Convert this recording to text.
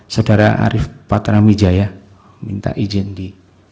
saudara arief patramwijaya minta izin di